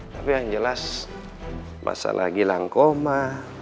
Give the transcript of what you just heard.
tapi yang jelas mas yuda lagi langkoma